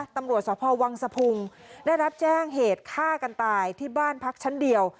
ตำรวจสพวังสะพุงได้รับแจ้งเหตุฆ่ากันตายที่บ้านพักชั้นเดียว